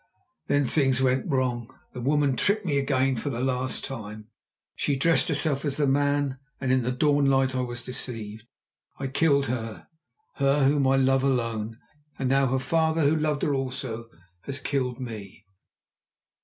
Then things went wrong. The woman tricked me again—for the last time. She dressed herself as the man, and in the dawnlight I was deceived. I killed her, her whom I love alone, and now her father, who loved her also, has killed me."